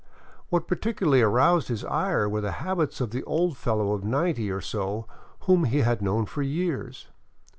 What par ticularly aroused his ire were the habits of an old fellow of ninety or so, whom he had known for years.